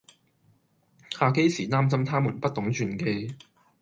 下機時擔心她們不懂轉機